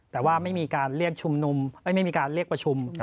แต่ว่าไม่มีการเรียกประชุม